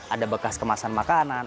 ada bekas kemasan makanan